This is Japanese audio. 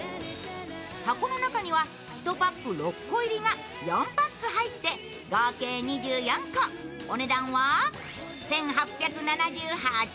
箱の中には１パック６個入りが４パック入って合計２４個、お値段は１８７８円。